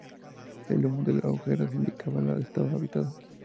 El humo de hogueras indicaba que estaba habitada.